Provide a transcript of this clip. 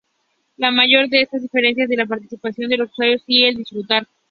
La mayor de estas diferencias es la participación de los usuarios y el disfrutar.